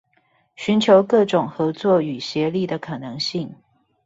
尋求各種合作與協力的可能性